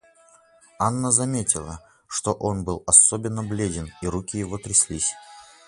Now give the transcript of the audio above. Анна заметила, что он был особенно бледен, и руки его тряслись.